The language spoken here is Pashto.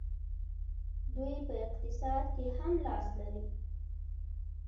دوی په اقتصاد کې هم لاس لري.